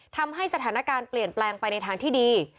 ทำให้สถานการณ์เปลี่ยนแปลงไปในทางที่ดี